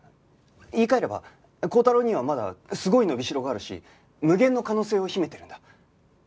言い換えれば高太郎にはまだすごい伸びしろがあるし無限の可能性を秘めてるんだ。